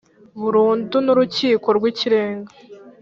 burundu n Urukiko rw Ikirenga